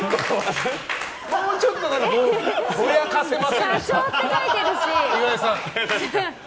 もうちょっとぼやかせませんでした？